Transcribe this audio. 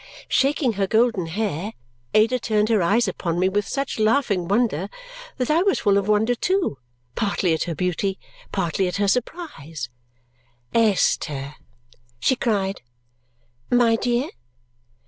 Shaking her golden hair, Ada turned her eyes upon me with such laughing wonder that I was full of wonder too, partly at her beauty, partly at her surprise. "Esther!" she cried. "My dear!"